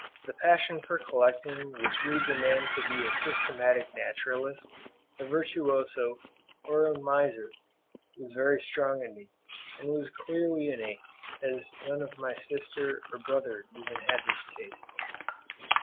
The passion for collecting which leads a man to be a systematic naturalist, a virtuoso, or a miser, was very strong in me, and was clearly innate, as none of my sisters or brother ever had this taste.